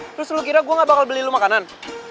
terus lu kira gue gak bakal beli lo makanan